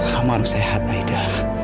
kamu harus sehat aida